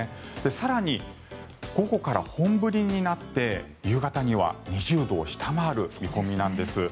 更に、午後から本降りになって夕方には２０度を下回る見込みなんです。